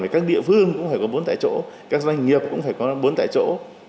các địa phương cũng phải có bốn tại chỗ các doanh nghiệp cũng phải có bốn tại chỗ